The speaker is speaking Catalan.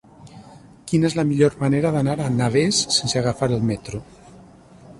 Quina és la millor manera d'anar a Navès sense agafar el metro?